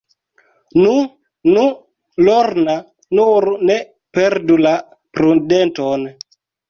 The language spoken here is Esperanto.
Nu, nu, Lorna, nur ne perdu la prudenton.